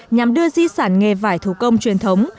nhằm đưa di sản nghề vải thủ công truyền thống